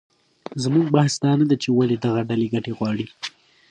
زموږ بحث دا نه دی چې ولې دغه ډلې ګټه غواړي